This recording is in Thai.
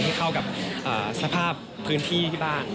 ให้เข้ากับสภาพพื้นที่ที่บ้าน